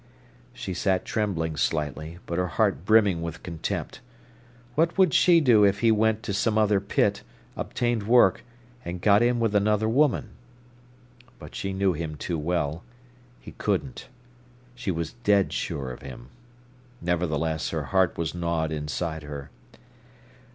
She sat trembling slightly, but her heart brimming with contempt. What would she do if he went to some other pit, obtained work, and got in with another woman? But she knew him too well—he couldn't. She was dead sure of him. Nevertheless her heart was gnawed inside her.